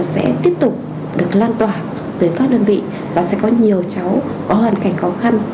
sẽ tiếp tục được lan tỏa tới các đơn vị và sẽ có nhiều cháu có hoàn cảnh khó khăn